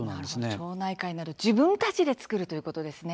町内会など自分たちで作るということですね。